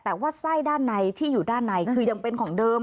แต่ว่าไส้ด้านในที่อยู่ด้านในคือยังเป็นของเดิม